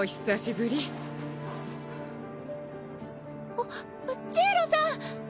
あっジイロさん！